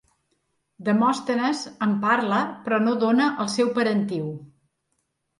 Demòstenes en parla però no dóna el seu parentiu.